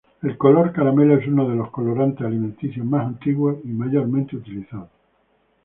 El color caramelo es uno de los colorantes alimenticios más antiguos y mayormente utilizados.